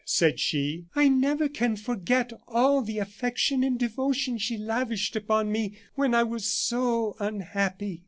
said she. "I never can forget all the affection and devotion she lavished upon me when I was so unhappy."